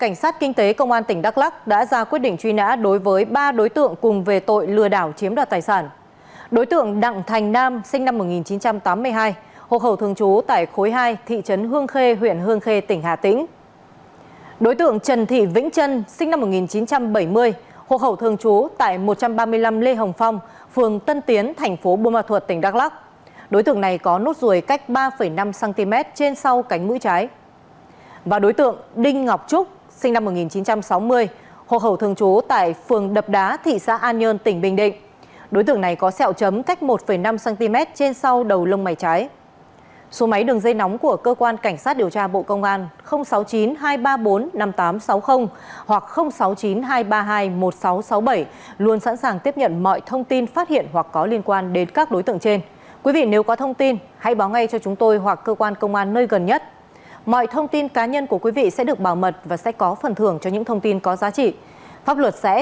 hãy đăng ký kênh để ủng hộ kênh của chúng mình nhé